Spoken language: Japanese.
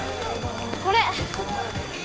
これ。